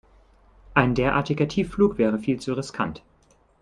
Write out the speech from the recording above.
Ein derartiger Tiefflug wäre viel zu riskant.